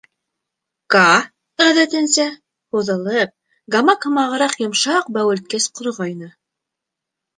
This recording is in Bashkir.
Каа, ғәҙәтенсә, һуҙылып, гамак һымағыраҡ йомшаҡ бә-үелткес ҡорғайны.